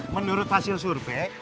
menurut hasil suruh be